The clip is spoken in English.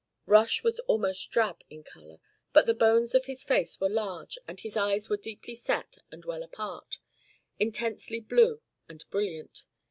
Rush was almost drab in colour, but the bones of his face were large and his eyes were deeply set and well apart, intensely blue and brilliant.